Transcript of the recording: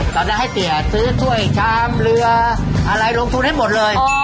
ตอนนั้นให้เตี๋ยซื้อถ้วยชามเรืออะไรลงทุนให้หมดเลย